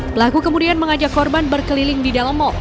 pelaku kemudian mengajak korban berkeliling di dalam mal